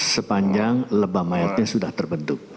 sepanjang lebam mayatnya sudah terbentuk